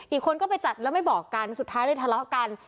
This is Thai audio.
อีกคนก็ไปจัดแล้วไม่บอกกันสุดท้ายเลยทะเลาะกัน